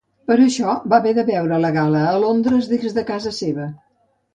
Per això va haver de veure la gala a Londres des de casa seva.